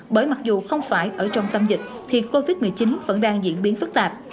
bởi mặc dù không phải ở trong tâm dịch thì covid một mươi chín vẫn đang diễn biến phức tạp